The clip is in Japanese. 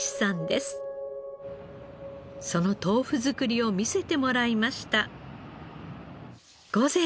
その豆腐作りを見せてもらいました。